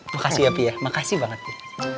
makasih ya pi ya makasih banget pi